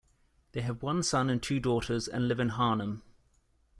They have one son and two daughters and live in Harnham.